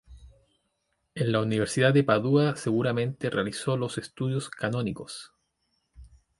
En la Universidad de Padua seguramente realizó los estudios canónicos.